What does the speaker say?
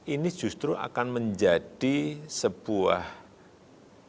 ini justru akan menjadi sebuah mesin pertumbuhan ekonomi